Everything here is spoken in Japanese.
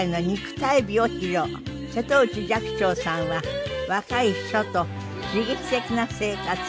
瀬戸内寂聴さんは若い秘書と刺激的な生活を。